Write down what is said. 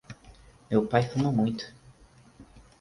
Meu pai fuma muito.